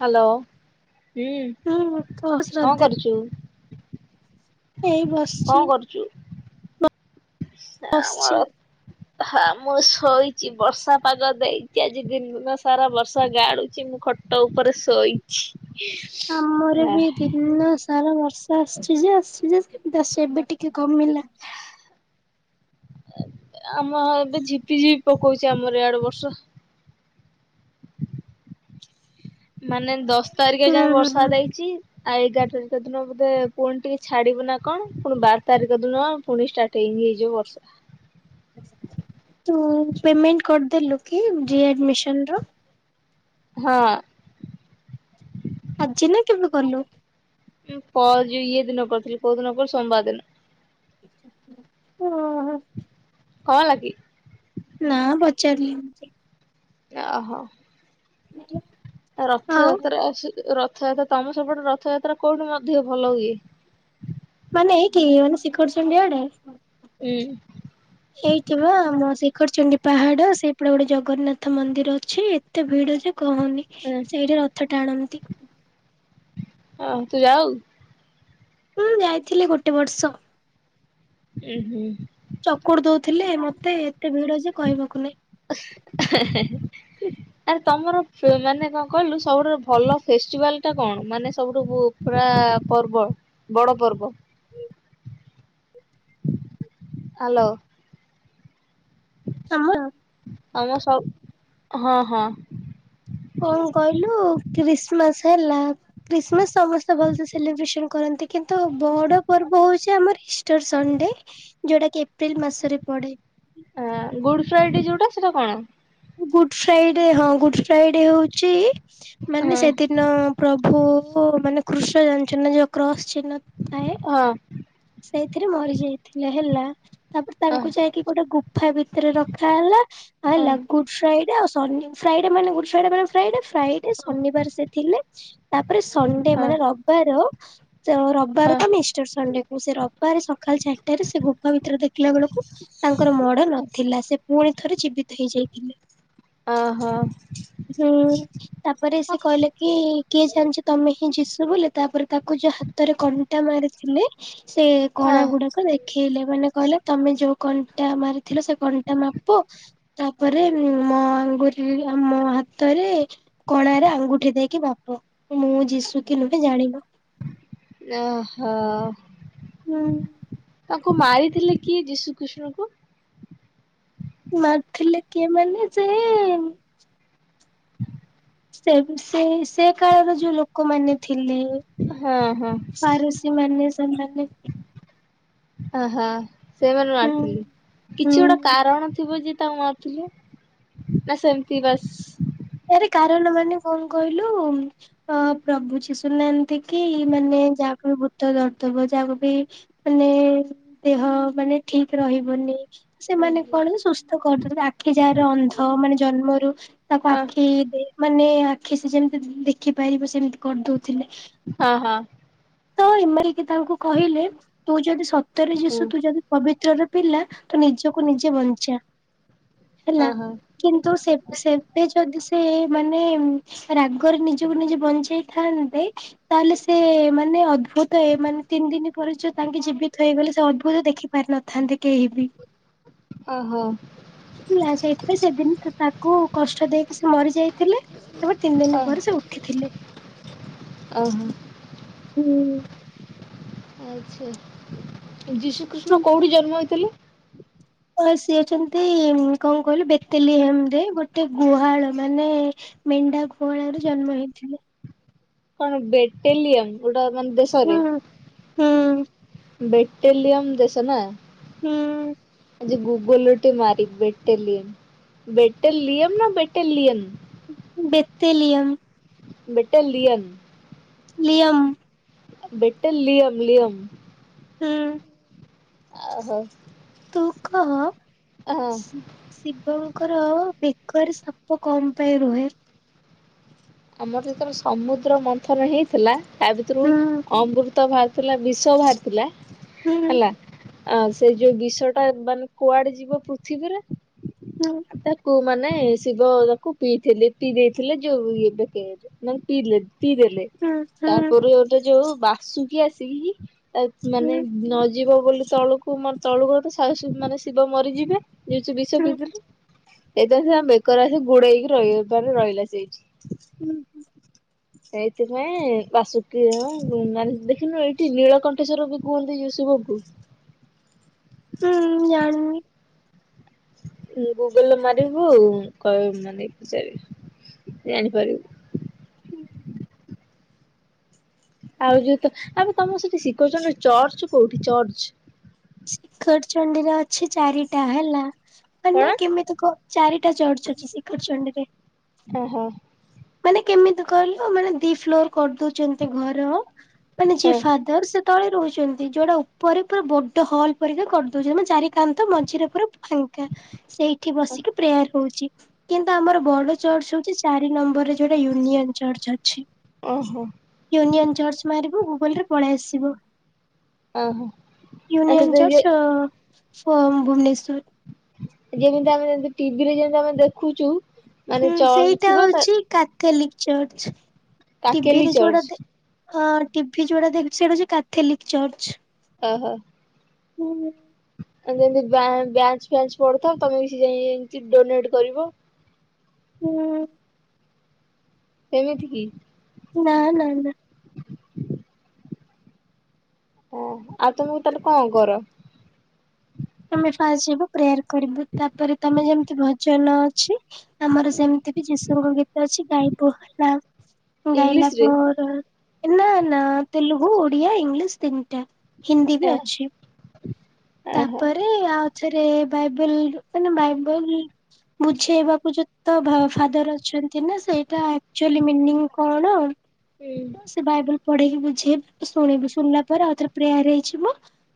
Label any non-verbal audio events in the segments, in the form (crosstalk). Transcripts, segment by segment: Hello ହୁଁ ହୁଁ କହ ଉଁକଣ ଶ୍ରଦ୍ଧା କରୁଛୁ? ଏଇ ବସିଛି କଣ କରୁଛୁ ଆମର ହ (unintelligible) ହଁ ମୁଁ ଶୋଇଛି ବର୍ଷା ପାଗ ଦେଇଛି ଆଜି ଦିନ ସାରା ବର୍ଷା ଗାଳୁଛି ମୁଁ ଖଟ। ଖଟ ଉପରେ ଶୋଇଛି। ଆମର ବି ଦିନସା - ସାରା ବର୍ଷା ଆସଛି ଯେ ଆସିଛି ଯେ ଜଷ୍ଟ ଏବେ ଟିକେ କମିଲା। ଆମ ଏବେ ଝିପିଝିପି ପକଉଛି ଆମର ଏଆଡ଼େ ବର୍ଷା। ମାନେ ଦଶ ତାରିଖ ହୁଁ ଯାଏ ହୁଁ ବର୍ଷା ହୁଁ ଦେଇଛି। ଆଉ ଏଗାର ତାରିଖ ଦିନ ବୋଧେ ପୁଣି ଟିକେ ଛାଡିବ ନା କଣ ପୁଣି ବାର ତାରିଖ ଦିନ ପୁଣି ଷ୍ଟାର୍ଟ। ହେଇ ହେଜିବ ବର୍ଷଟା। ତୁ ପେମେଣ୍ଟ କରିଦେଲୁ କି ରିଆଡମିସନ ର? ହଁ। ଆଜି ନା କେବେ କଲୁ? ହୁଁ କଳ ଯଉ ଇଏ ଦିନ ପଡଥିଲି କୋଉ ଦିନ ପଡ ସୋମବାର ଦିନ। ହୁଁ। କଣ ହେଲାକି? ନା ପଚାରିଲି। ଓହୋ। ହଁ। ରଥଯାତ୍ରା ରଥଯାତ୍ରା ତମ ସପଟେ ରଥଯାତ୍ରା କୋଉଠି ମଧ୍ୟ ଭଲ ହୁଏ? ମାନେ ଏଇଠି ମାନେ ଶିଖରଚଣ୍ଡିଡି ଆଡେ? ହୁଁ। ହେଇଥିବ ଆମ ଶିଖରଚଣ୍ଡୀ ପାହାଡ ସେପଟେ ଗୋଟେ ଜଗନ୍ନାଥ ମନ୍ଦିର ଅଛି ଏତେ ଭିଡ ଯେ କହନି ଉଁ ସେଇଠି ରଥ ଟାଣନ୍ତି। ହଁ ତୁ ଯାଉ? ମୁଁ ଯାଇଥିଲି ଗୋଟେ ବର୍ଷ। ହୁଁ। ଚକୁଡି ଦଉଥିଲେ ମତେ ଏତେ ଭିଡ ଯେ କହିବାକୁ ନାଇଁ? ହେଁ ଆରେ ତମର ମାନେ କଣ କହିଲୁ ସବୁଠୁ ଭଲ ଫେଷ୍ଟିଭାଲଟା କଣ ମାନେ ସବୁଠୁ ପୁରା ପର୍ବ ବଡ଼ ପର୍ବ। ହ୍ୟାଲୋ। ହଁ। ଆମ ସବ ହଁ ହଁ। କଣ କହିଲୁ ଖ୍ରୀଷ୍ଟମାସ ହେଲା। ଖ୍ରୀଷ୍ଟମାସ ସମସ୍ତେ ଭଲସେ ସେଲିବ୍ରେସନ କରନ୍ତି କିନ୍ତୁ ବଡ ପର୍ବ ହଉଛି ଆମର ଇଷ୍ଟର ସଣ୍ଡେ। ଯୋଉଟା କି ଏପ୍ରିଲ ମାସରେ ପଡେ। ହ ଗୁଡ ଫ୍ରାଇଡେ ଯୋଉଟା ସେଟା କଣ? ଗୁଡ ଫ୍ରାଇଡେ ହଁ ଗୁଡ ଫ୍ରାଇଡେ ହଉଛି ମାନେ ହଁ ସେଥିରେ ପ୍ରଭୁ ମାନେ କୃଷ୍ଣ ଜାଣିଚନ ଯୋଉ କ୍ରସ ଚିହ୍ନ ଥାଏ। ହଁ ସେଇଥିରେ ମରି ଯାଇଥିଲେ ହେଲା ତାପରେ ହଁ ତାଙ୍କୁ ଯାଇକି ଗୋଟେ ଗୁଫା ଭିତରେ ରଖା ହେଲା ଆଉ ଲ ଗୁଡ ଫ୍ରାଇଡେ ଆଉ ସଣ୍ଡେଫ୍ରାଇଡେ ମେ ଗୁଡ ଫ୍ରାଇଡେ ମାନ ଫ୍ରାଇଡେ ଫ୍ରାଇ ହଁ। ଶନିବାର ସେ ଥିଲେ ତାପରେ ସଣ୍ଡେ ହଁ ମାନେ ରବିବାର। ରବିବାର ହଁ କ ସେ କ ସେ ରବିବାର ସକାଳ ଚାରିଟାରେ ସେ ଗୋଫ ଭିତରେ ଦେଖିଲା ବେଳକୁ ତାଙ୍କର ମଡ ନଥିଲା ସେ ପୁଣି ଥରେ ଜୀବିତ ହେଇଯାଇ ହୁଁ ଓହୋ ତାପରେ ସେ କହିଲେ କି କିଏ ଜାଣିଛି ତମେ ହିଁ ଜିଶୁ ବୋଲି ତାପରେ ତାକୁ ଯୋଉ ହାତରେ କଣ୍ଟା ମାରିଥିଲେ। ସେ ହଁ କଣା ଗୁଡାକ ଦେଖେଇଲେ ମାନେ କହିଲେ ତମେ ଯୋଉ କଣ୍ଟା ମାରିଥିଲ ସେ କଣ୍ଟା ମାପ ତା ପରେ ମୋ ଆଙ୍ଗୁଳିରେ ମୋ ହାତରେ କଣାରେ ଆଙ୍ଗୁଠି ଦେଇକି ମାପ ମୁଁ ଜିଶୁ କିି ନୁହେଁ ଜାଣିବ। ଓହୋ। ହୁଁ ତାଙ୍କୁ ମାରିଥିଲେ କିଏ ଯୀଶୁ ଖ୍ରୀଷ୍ଟଙ୍କୁ? ମାରିଥିଲେ କିଏ ମାନେ ଯେ ସେ ସେ ସେ କାଳର ଯୋଉ ଲୋକମାନେ ଥିଲେ। ହଁ ହଁ। ପାରୁସି ମାନେ ସେମାନେ ଓହୋ ସେମାନେ ହୁଁ ମାରିଥି କିଛି ହୁଁ ଗୋଟେ କାରଣ ଥିବ ଯେ ତାକୁ ମା ଥିଲେ ନା ସେମିତି ବାସ୍। ଆରେ କାରଣ ମାନେ କଣ କହିଲୁ? ଅ ପ୍ରଭୁ ଯିଶୁ ନାହାନ୍ତି କି ମାନେ ଯାହାକୁ ବି ଭୂତ ଧରୁଥିବ ଯାହାକୁ ବି ମାନେ ଦେହ ମାନେ ଠିକ୍ ରହିବନି। ହଁ ସେମାନେ କଣ ସୁସ୍ଥ କରୁଥିଲେ ଆଖି ଯାହାର ଅନ୍ଧ ମାନେ ଜନ୍ମରୁ ତା ହଁ ଆଖି ଦେଇ ମାନେ ଆଖି ସେ ଯେମିତି ଦେଖିପାରିବ ସେମିତି କରିଦଉଥିଲେ। ହଁ ହଁ। ତ ଇମାରିକି ତାଙ୍କୁ କହିଲେ ତୁ ଯଦି ସତରେ ହୁଁ ଯିଶୁ ତୁ ଯଦି। ପବିତ୍ରର ପିଲା ତୁ ନିଜକୁ ନିଜେ ବଞ୍ଚା ହେଲା। ହଁ ହଁ କିନ୍ତୁ ସେ ସେବେ ଯଦି ସେ ମାନେ। ରାଗରେ ନିଜକୁ ନିଜେ ବଞ୍ଚେଇ ଥାନ୍ତି ତାହେଲେ ସେ ମା ମାନେ ଅଦ୍ଭୁତ ଏମାନେ ତିନି ଦିନ ପରେ ଯୋ ତାଙ୍କେ ଯେବେ ଖାଇଗଲେ ସେ ଅଦ୍ଭୁତ ଦେଖି ପାରିିନଥାନ୍ତେ କେହିବି। ଓହୋ। ହେଲା ସେଇଥିପାଇଁ ସେଦିନ ତାକୁ କଷ୍ଟ ଦେଇକି ସେ ମରି ଯାଇଥିଲେ। ତାପରେ ତିନି ଓ ଦିନ ପରେ ସେ ଉଠିଥିଲେ। ଓହୋ। ହୁଁ। ଆଚ୍ଛା ଯୀଶୁ କୃଷ୍ଣ କୋଉଠି ଜନ୍ମ ହୋଇଥିଲେ? ହ ସିଏ ଯେମିନ୍ତି କଣ କହିଲୁ ବେତଲିଏମରେ ଗୋଟେ ଗୁହାଳ ମାନେ ମେଣ୍ଢା ଗୁଆଳରୁ ଜନ୍ମ ହେଇଥିଲେ। କଣ ବେଟେଲିୟମ ଗୋଡ ମାନେ ହୁଁ ଦେଶରେ। ହୁଁ ବେଟେଲିୟମ ଦେଶ ନା। ହୁଁ। ଯେ ଗୁଗଲରେ ଟିକେ ମାରିବି ବେଟେଲିୟମ୍ ବେଟେଲିୟମ୍ ନା ବେଟେଲିୟନ। ବେଟେଲିୟମ୍। ବେଟେଲିୟନ୍। ଲିୟମ୍। ବେଟେଲିୟମ ଲିୟମ। ହୁଁ। ଆ ହୋ। ତୁ କହ। ହଁ ଶିବଙ୍କର ବେକରେ ସାପ କଣ ପାଇଁ ରୁହେ? ଆମର ଯେତବେଳେ ସମୁଦ୍ର ମନ୍ଥନ ହେଇଥିଲା ତା ଭିତରୁ ହୁଁ ଅମୃ ତ ବାହାରିଥିଲା ବିଷ ବାହାରିଥିଲା ହୁଁ ହେଲା। ଆ ସେଇ ଯୋଉ ବିଷଟା ମାନେ କୁଆଡେ ଯିବ ପୃଥିବୀରେ। ହୁଁ ତାକୁ ମାନେ ଶିବ ତାକୁ ପିଇଥିଲେ ପିଇ ଦେଇଥିଲେ ଯୋଉ (inaudible) ମ ପିଇଲେ ପିଇଦେଲେ ହୁଁ ହୁଁ ତାପରେ ଗୋଟେ ଯୋଉ ବାସୁକି ଆସିକି। ତା ମାନେ ନ ଯିବ ବୋଲି ତଳୁକୁ ତଳୁକୁ ମାନେ ଶିବ ମରିଯିବେ। ଯଉ ବିଷ ହୁଁ ହୁଁ ପିଦେଲେ ହୁଁ ଏଇ ବେକର ଆସ ଗୋଡେଇକି ରହିବ ରହିଲା ସେଇଠି। ହୁଁ। ସେଇଥିପାଇଁ ବାସୁକୀନ (unintelligible) ଦେଖିନୁ ଏଇଠି ନୀଳକଣ୍ଠେଶ୍ଵର ବି (unintelligible) ଉଁ ଜାଣିନି। ତୁ ଗୁଗୁଲୁରେ ମାରିବୁ କହିବୁ ନାନୀକି ପଚାରିବୁ ଜାଣିପାରିବୁ। ଆଉ ଯୋଉତ ଆବେ ତମ ସେଠି ଶିକଉଚନ୍ତି ଚର୍ଚ୍ଚ କୋଉଠି ଚର୍ଚ୍ଚ? ଶିଖର ଚଣ୍ଡୀରେ ଅଛି ଚାରିଟା ହେଲା କଣ ମାନେ କେମିତି କ ଚାରିଟା ଚର୍ଚ୍ଚ ଅଛି ଶିଖର ଚଣ୍ଡୀରେ। ଓହୋ। ମାନେ କେମିତି କହିଲୁ ମାନେ ଦି ଫ୍ଲୋର କରିଦଉଚନ୍ତି ଘର ମାନେ ଯିଏ ହଁ ଫା ର ସେ ତଳେ ରହୁଛନ୍ତି ଯୋଉଟା ଉପରେ ପୁରା ବଡ଼ ହଲ୍ ପରିକା କରିଦଉଚନ୍ତି (inaudible) ଚାରି କାନ୍ଥ ମଝିରେ ପୁରା ଫାଙ୍କା ସେଇଠି ବସିକି ପ୍ରେୟାର ହଉଚି। କିନ୍ତୁ, ଆମର ବଡ଼ ଚର୍ଚ୍ଚ ହଉଛି ଚାରି ନମ୍ବରରେ ଯୋଟା ୟୁନିଅନ ଚର୍ଚ୍ଚ ଅଛି। ଓହୋ। ୟୁନିଅନ ଚର୍ଚ୍ଚ ମାରିବୁ ଗୁଗୁଲରେ ପଳେଇ ଆସିବ। ଓହୋ ଆ ୟୁନିୟନ ସେଥିରେ ଚର୍ଚ୍ଚ ଅ ଫୋ ଭୁବନେଶ୍ୱର୍। ଯେମିତି ଆମେ ଯେ ଟିଭିରେ ଯେମିତି ଆମେ ଦେଖୁଚୁ ହୁଁ ସେଇଟା ହଉଚି କାଥଲିକ ଚର୍ଚ୍ଚ କାକେଲି ଟିଭିରେ ଚର୍ଚ୍ଚ ଯୋଉଟା ଦେ ହଁ ଟିଭି ଯଉଟା ଦେଖ ସେଇଟା ହଉଚି କାଥଲିକ ଚର୍ଚ। ଓହୋ। ହୁଁ। ଆମେ ଯେମିତି ବ୍ୟାଚ୍ ବ୍ୟାଚ୍ କରୁଥାଉ (inaudible) ତମେବି ସେଇ ଯାଇଁ ଡୋନେଟେ କରିବ। ହୁଁ। ଏମିତି କି? ନା ନା ନା। ଆଉ ତମେ ତାହେଲେ କଁ କର? ଅମେ ଫାଷ୍ଟେ ଯିବୁ ପ୍ରେୟାର କରିବୁ, ତାପରେ ତମେ ଯେମିତି ଭ ଜନ ଅଛି, ଆମର ସେମିତିବି ଯୀଶୁଙ୍କ ଗୀତ ଅଛି ଗାଇବୁ ହେଲା। ଗାଇିଲା ଇଂଲିଶ ରେ ପରେ, ଏ ନା ନା ତେଲୁଗୁ, ଓଡ଼ିଆ ଇଂଲିଶ ତିନିଟା। ହିନ୍ଦୀବି ଅଛି। ଓହୋ ତାପରେ ଆଉଥରେ ବାଇବେଲ ମାନେ ବାଇବେଲର ବୁଝେଇବାକୁ ଯେତ ଫାଦର ଅଛନ୍ତିନା, ସେଇଟା ଆକ୍ଚୁଲି ମିନିଂ କଣ। ହୁଁ। ସେ ବାଇବେଲ୍‌ ପଢେଇକି ବୁଝେଇବେ, ତୁ ଶୁଣିବୁ, ଶୁଣିଲା ପରେ ଆଉ ଥରେ ପ୍ରେୟାର ହେଇଯିବ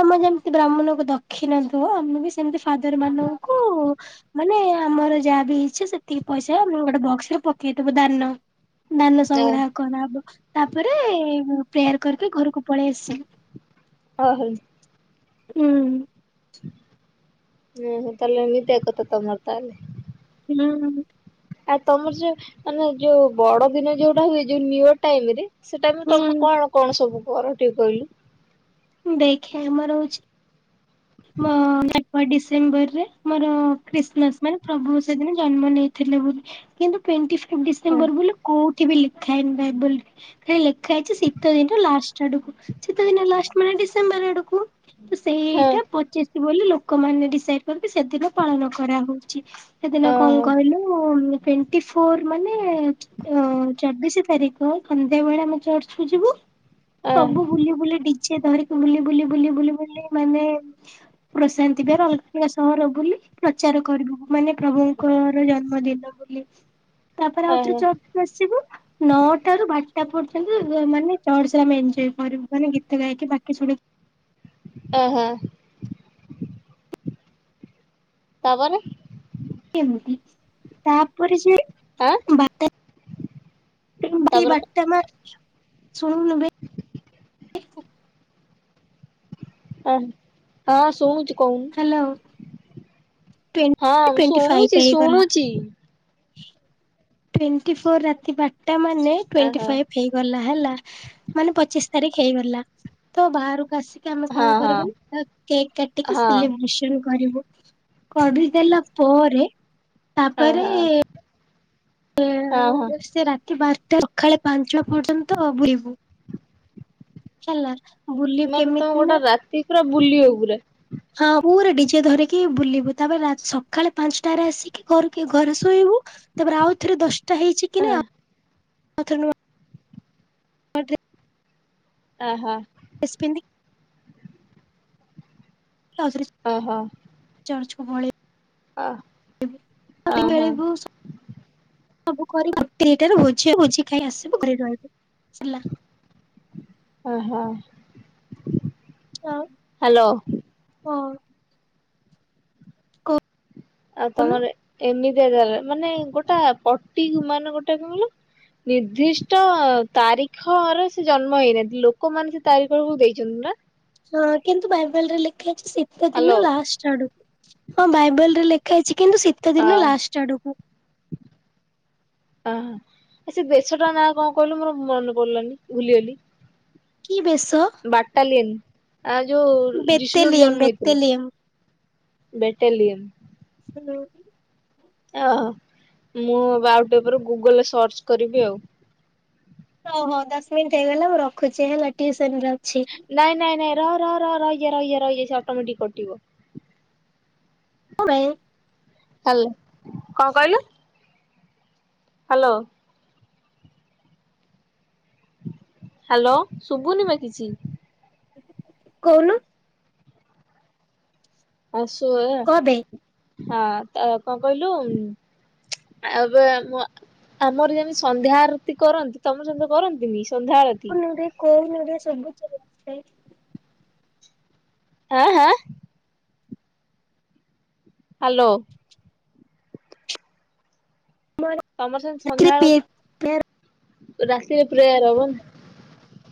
ତମେ ଯେମତି ବ୍ରାହ୍ମଣଙ୍କୁ ଦକ୍ଷିଣା ଦିଅ, ଆମେବି ସେମିତି ଫାଦର ମାନଙ୍କୁ ମାନେ ଆମର ଯାହାବି ହେଇଚି ସେତିକି ପଇସା ଆମେ ଗୋଟେ ବକ୍ସରେ ପକେଇଦବୁ ଦାନ। ଦାନ ସଂଗ୍ରହ କରା ହବ ତାପରେ ପ୍ରେୟାର କରିକି ଘରକୁ ପଳେଇ ଆସିଲୁ। ହଁ ହେଇ ହୁଁ। ଓହୋ ତାହେଲେ ଏମିତିଆ କଥା ତମର ତାହେଲେ। ହୁଁ। ଆଉ ତମର ଯୋଉ ମାନେ ଯୋଉ ବଡ଼ ଦିନ ଯୋଉଟା ହୁଏ ଯୋଉ ନିଉଅର ଟାଇମରେ ସେଟା ମୁଁ ତମ ହୁଁ। କଣ କଣ ସବୁ କର ଟିକେ କହିଲୁ? ଦେଖେ ଆମର ହଉଚି ମ (inaudible) ଡିସେମ୍ବରରେ ମୋର ଖ୍ରୀଷ୍ଟମାସ ମାନେ ପ୍ରଭୁ ସେଦିନ ଜନ୍ମ ନେଇ ଥିଲେ ବୋଲି, କିନ୍ତୁ ଟ୍ୱେନ୍ତି ହଁ ଡିସେମ୍ବର ବୋଲି କୋଉଠିବି ଲେଖାହେଇନି ବାଇବଲ୍ ହେଇ ଲେଖା ହେଇଚି ଶୀତ ଦିନ ଲାଷ୍ଟ ଆଡ଼କୁ ଶୀତ ଦିନ ଲାଷ୍ଟେ ମାନେ ଡିସେମ୍ବର ଆଡ଼କୁ। ତ ହଁ ସେଇଟା ପୋଚିଶ ବୋଲି ଲୋକମାନେ ଡିସାଇଡ କରିନ୍ତି ସେଦିନ ପାଳନ କରାହଉଛି। ସେଦିନ କଣ ଓହୋ କହିଲୁ ଟ୍ୱେଣ୍ଟି ଫୋର ମାନେ ଅ ଚବିଶି ତାରିଖ ସନ୍ଧ୍ୟାବେଳେ ଆମ ଚର୍ଚ୍ଚକୁୁ ଯିବୁ ସବୁ ବୁଲି ବୁଲି ଡିଯେ ଧରିକି ବୁଲି ବୁଲି ବୁଲି ବୁଲି ବୁଲି ମାନେ ପ୍ରଶାନ୍ତି ବାର ଅଲଗା ସହର ବୁଲି ପ୍ରଚାର କରିବୁ ମାନେ ପ୍ରଭୁଙ୍କର ଜନ୍ମଦିନ ବୋଲି। ତାପରେ ଓହୋ ଆଉଥରେ ଆସିବୁ। ନଅଟାରୁ ବାରଟା ପର୍ଯ୍ୟନ୍ତ ମାନେ ଚର୍ଚ୍ଚରେ ଆମେ ଏନଜୟ କରିବୁ ମାନେ ଗୀତ ଗାଇକି ବାକି ହାଁ ହାଁ ତାପରେ। ଏମତି ତାପରେ ସିଏ ଆଁ ବାଟ ଏମିତି ତାପରେ ବାଟ ମା ଶୁଣୁନୁ ବେ ଅ ହଁ ଶୁଣୁଛିକହୁନୁ। ହ୍ୟାଲୋ। ଟ୍ୱେଣ୍ଟି ହଁ ଟ୍ୱେଣ୍ଟି ଫାଇଭ୍ ଶୁଣୁଛି ହେଇଗଲା। ଶୁଣୁଛି। ଟ୍ୱେଣ୍ଟି ଫୋର୍ ରାତି ବାରଟା ମାନେ ଟ୍ୱେଣ୍ଟି ଓହୋ ଫାଇଭ ହେଇ ଗଲା ହେଲା। ମାନେ ପଚିଶ ତାରିଖ ହେଇଗଲା ତ ବାହାରକୁ ଆସି କି ଆମେ ହଁ କଣ କରିବୁ ହଁ ନା କେକ୍ କାଟିକି ହଁ ସେଲିବ୍ରେସନ କରିବୁ। କଢିଦେଲା ପରେ ତାପରେ ହା ହଁ ସେ ରାତି ବାରଟା ସକାଳେ ପାଞ୍ଚଟା ପର୍ଯ୍ୟନ୍ତ ବୁଲିବୁ ହେଲା। ବୁଲି ସେମାନେ ତ କେମିତି ନା ଗୋଟେ ରାତି ପୁରା ବୁଲିବ ପୁରା ହଁ ପୁ ଡିଜେ ଧରିକି ବୁଲିବୁ ତାପରେ ସକାଳେ ପାଞ୍ଚଟାରେ ଆସି କି ଘରେ ଶୋଇବୁ ତାପରେ ଆଉ ଥରେ ଦଶଟା ହେଇଛି କି ନାଇ ଆଁ ଆ ବାଟରେ ଆ ହା। ବସପେନି ସହଜ ରେ ଅ ହ ଚର୍ଚକୁ ପଳେଇ ଓହୋ ସବୁ କରି ଗୋଟେ ଦିଟାରୁ ଭୋଜିି ହବ ଭୋଜି ଖାଇ ଆସିବୁ ଘରେ ରହିବୁ ସରିଲା। ହଁ ହଁ। ହଁ। (inaudible) ହାଲୋ। କଣ ଆଉ କହୁନୁ ତମର ଏମିତିଆ ଜାଗା ମାନେ ଗୋଟେ ପଟି ମାନେ ଗୋଟେ କଣ କହିଲୁ ନିର୍ଦ୍ଧିଷ୍ଟ ତାରିଖ ରେ ସେ ଜନ୍ମ ହେଇନାହାନ୍ତି ଲୋକମାନେ ସେ ତାରିଖ କୁ ଦେଇଛନ୍ତି ନା? ହଁ କିନ୍ତୁ ବାଇବଲରେ ଲେଖା ହେଇଛି ଶୀତ ଦିନ ହ୍ୟାଲୋ ଲାଷ୍ଟ ଆଡୁକୁ। ହଁ ବାଇବଲରେ ଲେଖା ହେଇଛି କିନ୍ତୁ ଶୀତ ହଁ ଦିନ ଲାଷ୍ଟ ଆଡକୁ। ଆଁ ସେ ବେଶ ଟା ନାଁ କଣ କହିଲୁ ମୋର ମନେ ପଡିଲାନି ଭୁଲିଗଲି? କି ବେଶ? ବାଟାଲିନ ଆ ଯୋଉ ଯିଶୁ ଯୋଉଠି ବେତେଲିୟମ ଜନ୍ମ ହେଇଥିଲେ। ବେତେଲିୟମ। ବେଟେଲିିୟନ (inaudible) ୟେହହ ମୁଁ ଆଉଟିକେ ପରେ ଗୁଗୁଲ ରେ ସର୍ଚ୍ଚ କରିବି ଆଉ। ହଉ ହଉ ଦଶ ମିନିଟ ହେଇଗଲା ମୁଁ ରଖୁଛି ହେଲା ଟିୟୁସନ ରେ ଅଛି। ନାଇଁ ନାଇଁ ନାଇଁ ର ର ର ରହିଯା ରହିଯା ରହିଯା ସେ ଅଟୋମେଟିକ୍ କଟିବ। (unintelligible) ହ୍ୟାଲୋ। କଣ କଇଲୁ? ହ୍ୟାଲୋ। ହ୍ୟାଲୋ। ଶୁଭୁନି ବା କିିଛି। କହୁନୁ। ଆଉ ଶେଇଆ। କଣ ପାଇଁ ହଁ ତା ପେ କଣ କହିଲୁ? ଆବେ ଆମ ଆମର ଯେମିତି ସନ୍ଧ୍ୟା ଆରତି କରନ୍ତି, ତମର ସେମିତି କରନ୍ତି ନି ସନ୍ଧ୍ୟା ଆଳତି। କଉନୁ ରେ ସବୁ (unintelligible) ହାଁ ହାଁ। ହ୍ୟାଲୋ। ତମର ସେଏନ୍ତି ରାତିରେ ପି ସନ୍ଧ୍ୟାଆଳତି ରାତିରେ ପ୍ରେୟାର ହବନା।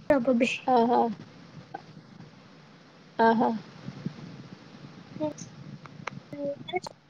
(unintelligible) ଓହୋ। ଓହୋ। (inaudible)